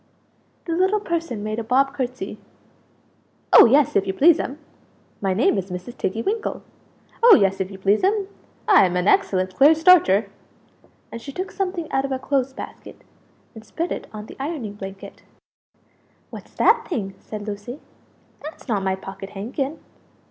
The little person made a bob curtsey "Oh, yes, if you please'm; my name is Mrs. Tiggy winkle; oh, yes if you please'm, I'm an excellent clear starcher!" And she took something out of a clothes basket, and spread it on the ironing blanket. "What's that thing?" said Lucie "that's not my pocket handkin?"